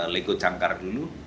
lego jangkar dulu